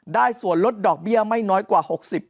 ได้ส่วนรถดอกเบี้ยไม่น้อยกว่า๖๐